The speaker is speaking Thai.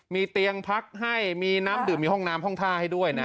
มีเตียงพักให้มีน้ำดื่มมีห้องน้ำห้องท่าให้ด้วยนะ